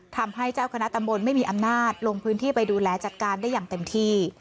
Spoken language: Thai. ทำให้เจ้าคณะตำบลไม่มีอำนาจลงพื้นที่ไปดูแลจัดการได้อย่างเต็มที่